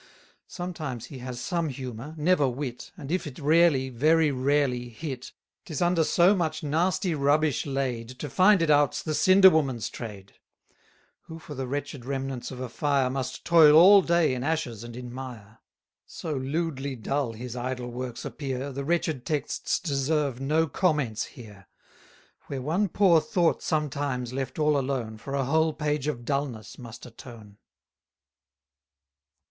Sometimes he has some humour, never wit, And if it rarely, very rarely, hit, 'Tis under so much nasty rubbish laid, To find it out's the cinderwoman's trade; Who for the wretched remnants of a fire, 260 Must toil all day in ashes and in mire. So lewdly dull his idle works appear, The wretched texts deserve no comments here; Where one poor thought sometimes, left all alone, For a whole page of dulness must atone.